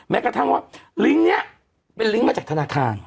แม้กระทั่งว่าลิงก์นี้เป็นลิงก์มาจากธนาคาร